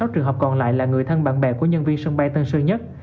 hai mươi trường hợp còn lại là người thân bạn bè của nhân viên sân bay tân sơn nhất